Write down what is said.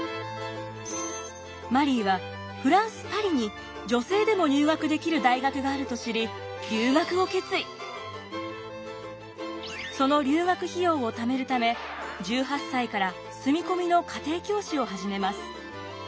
マリーはフランス・パリに女性でも入学できる大学があると知りその留学費用を貯めるため１８歳から住み込みの家庭教師を始めます。